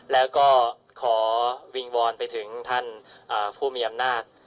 แล้วก็ขอวิงวอนไปถึงท่านผู้มีอำนาจ